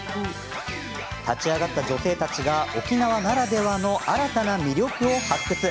立ち上がった女性たちが沖縄ならではの新たな魅力を発掘。